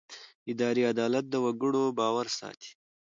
اداري عدالت د وګړو باور ساتي.